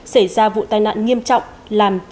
xảy ra vụ tai nạn nghiêm trọng làm